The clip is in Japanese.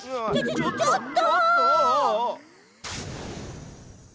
ちょっと！